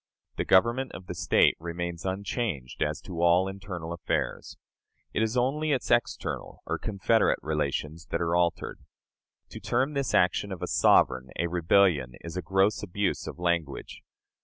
The government of the State remains unchanged as to all internal affairs. It is only its external or confederate relations that are altered. To term this action of a sovereign a "rebellion," is a gross abuse of language.